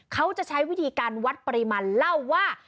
เขาจะใช้วิธีการวัดปริมาณเล่าว่า